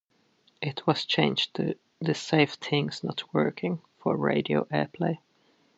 It was changed to "This safe thing's not working" for radio airplay.